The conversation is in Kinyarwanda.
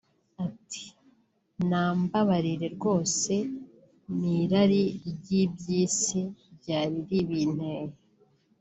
Ati “Nambabarire rwose n’irari ry’iby’isi ryari ribinteye